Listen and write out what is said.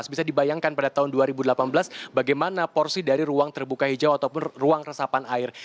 bisa dibayangkan pada tahun dua ribu delapan belas bagaimana porsi dari ruang terbuka hijau ataupun ruang resapan air